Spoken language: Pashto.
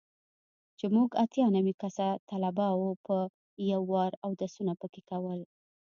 چې موږ اتيا نوي کسه طلباو به په يو وار اودسونه پکښې کول.